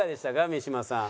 三島さん。